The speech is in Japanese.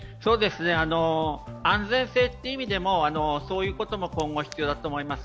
安全性という意味でもそういうことも今後、必要だと思います。